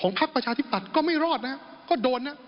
ของภักดิ์ประชาธิปัตย์ก็ไม่รอดนะครับก็โดนนะ